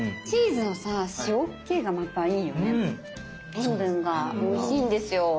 塩分がおいしいんですよ。